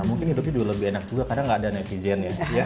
mungkin hidupnya lebih enak juga karena nggak ada netizen ya